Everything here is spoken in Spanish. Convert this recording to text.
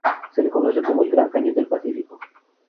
Se le conoce como "El Gran Cañón del Pacífico.